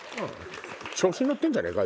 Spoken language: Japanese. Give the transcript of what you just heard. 調子乗ってんじゃねえか？